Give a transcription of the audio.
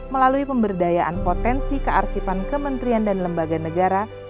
melalui pemberdayaan potensi kearsipan kementerian dan lembaga negara